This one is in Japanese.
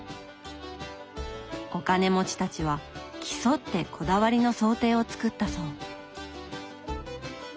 お金持ちたちは競ってこだわりの装丁を作ったそう。